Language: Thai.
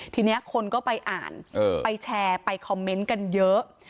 ทีนี้คนก็ไปอ่านไปแชร์ไปคอมเมนต์กันเยอะ